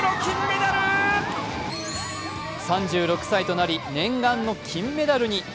３６歳となり念願の金メダルに。